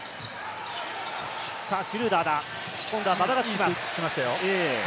シュルーダーだ、今度は馬場がついている。